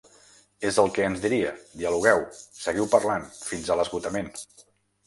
És el que ens diria, dialogueu, seguiu parlant, fins a l’esgotament.